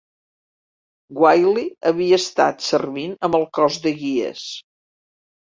Wylly havia estat servint amb el Cos de Guies.